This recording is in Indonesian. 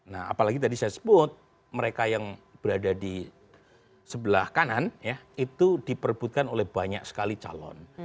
nah apalagi tadi saya sebut mereka yang berada di sebelah kanan ya itu diperbutkan oleh banyak sekali calon